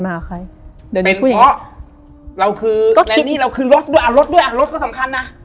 เป็นเพราะเราคือรถด้วยรถด้วยรถก็สำคัญนะ